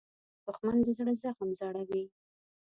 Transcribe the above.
دښمن د زړه زخم زوړوي